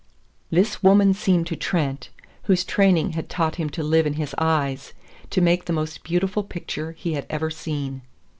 This woman seemed to Trent, whose training had taught him to live in his eyes, to make the most beautiful picture he had ever seen.